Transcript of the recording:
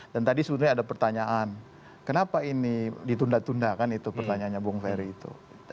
dan tadi sebetulnya ada pertanyaan kenapa ini ditunda tunda kan itu pertanyaannya bung ferry itu